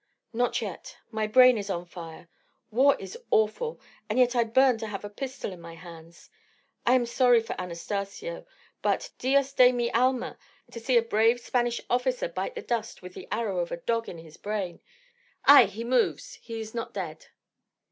"Not yet. My brain is on fire. War is awful, and yet I burn to have a pistol in my hands. I am sorry for Anastacio but Dios de mi alma! to see a brave Spanish officer bite the dust with the arrow of a dog in his brain! Ay, he moves! He is not dead."